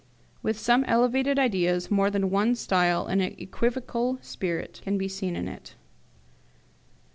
With some elevated ideas, more than one style and an equivocal spirit can be seen in it.